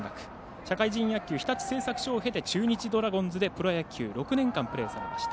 社会人野球、日立製作所を経て中日ドラゴンズでプロ野球６年間プレーされました。